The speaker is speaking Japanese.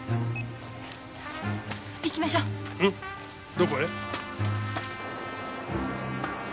どこへ？